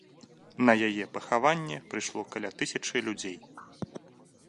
На яе пахаванне прыйшло каля тысячы людзей.